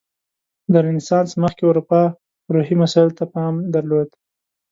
له رنسانس مخکې اروپا روحي مسایلو ته پام درلود.